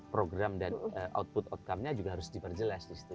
program dan output outcome nya juga harus diperjelas di situ